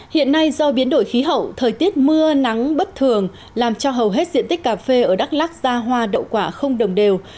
hiện nay do biến đổi khí hậu thời tiết mưa nắng bất thường làm cho hầu hết diện tích cà phê ở đắk lắc ra hoa đậu quả không đồng đều